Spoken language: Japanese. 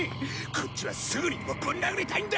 こっちはすぐにでもぶん殴りたいんだ！